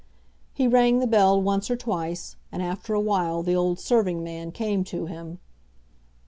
He rang the bell once or twice, and after a while the old serving man came to him.